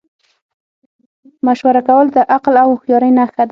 مشوره کول د عقل او هوښیارۍ نښه ده.